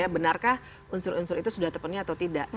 benarkah unsur unsur itu sudah terpenuhi atau tidak